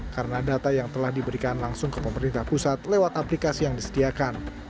karena data yang telah diberikan langsung ke pemerintah pusat lewat aplikasi yang disediakan